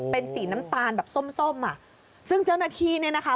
เป็นสีน้ำตาลแบบส้มส้มอ่ะซึ่งเจ้าหน้าที่เนี่ยนะคะ